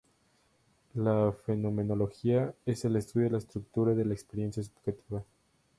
La fenomenología es el estudio de la estructura de la experiencia subjetiva.